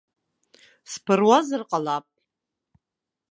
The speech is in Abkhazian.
Сԥыруазар ҟалап.